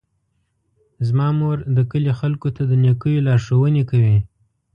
زما مور د کلي خلکو ته د نیکیو لارښوونې کوي.